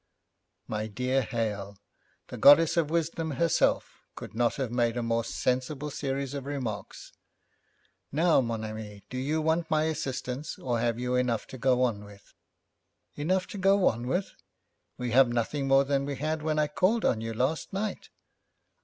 'My dear Hale, the goddess of Wisdom herself could not have made a more sensible series of remarks. Now, mon ami, do you want my assistance, or have you enough to go on with?' 'Enough to go on with? We have nothing more than we had when I called on you last night.'